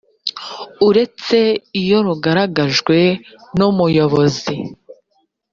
uretse iyo rugaragajwe n umuyobozi